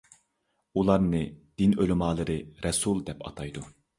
ئۇلارنى دىن ئۆلىمالىرى رەسۇل دەپ ئاتايدۇ.